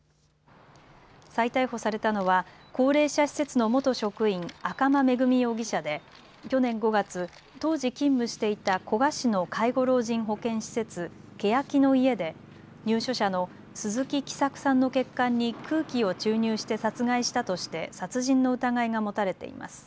再逮捕されたのは高齢者施設の元職員赤間恵美容疑者で去年５月、当時勤務していた古河市の介護老人保健施設けやきの舎で入所者の鈴木喜作さんの血管に空気を注入して殺害したとして殺人の疑いが持たれています。